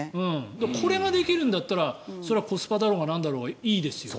これができるんだったらコスパだろうがなんだろうがいいですよ。